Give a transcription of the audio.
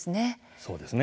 そうですね。